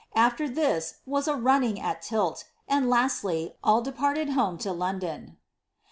After this was a running at tilt ; and, lastly, all departed home to London.